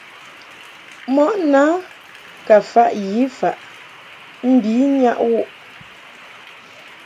Mɔʼ na ka faʼ yi faʼ mbi nyaʼ wu ;g.